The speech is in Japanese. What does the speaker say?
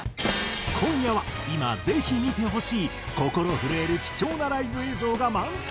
今夜は今ぜひ見てほしい心震える貴重なライブ映像が満載。